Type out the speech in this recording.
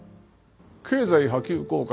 経済波及効果